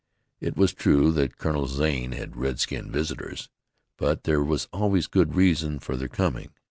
It was true that Colonel Zane had red skinned visitors, but there was always good reason for their coming.